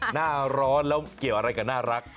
หน้าร้อนแล้วเกี่ยวอะไรกับน่ารัก